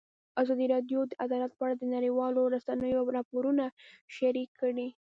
ازادي راډیو د عدالت په اړه د نړیوالو رسنیو راپورونه شریک کړي.